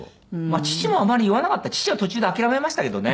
父もあまり言わなかった父は途中で諦めましたけどね。